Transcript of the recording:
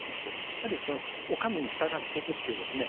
やはりお上に従っていくっていうですね